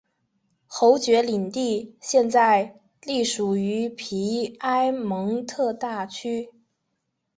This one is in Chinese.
侯爵领地现在隶属于皮埃蒙特大区。